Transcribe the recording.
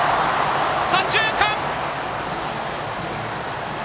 左中間！